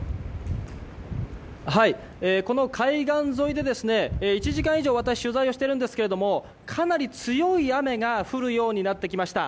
この海岸沿いで１時間以上、私取材をしているんですけどもかなり強い雨が降るようになってきました。